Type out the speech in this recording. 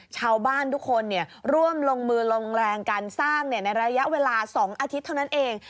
ชาวบ้านทุกคนร่วมลงมือลงแรงการสร้างในระยะเวลา๒อาทิตย์เท่านั้นเอง